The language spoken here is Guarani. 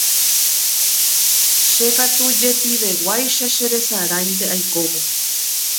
Che katu jepiveguáicha cheresaráinte aikóvo.